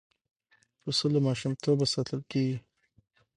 پسه له ماشومتوبه ساتل کېږي.